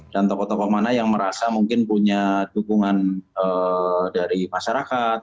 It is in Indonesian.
dan tokoh tokoh mana yang merasa mungkin punya dukungan dari masyarakat